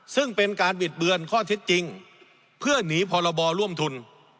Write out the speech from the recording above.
ซึ่งเป็นการบิดเบือนข้อเท็จจริงเพื่อหนีพรบร่วมทุน